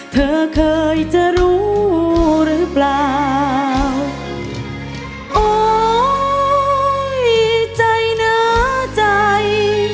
เธอเคยจะรู้หรือเปล่าโอ๊ยใจหนาใจ